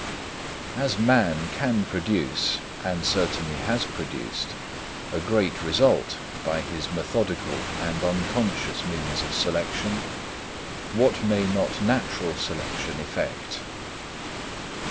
As man can produce, and certainly has produced, a great result by his methodical and unconscious means of selection, what may not natural selection effect?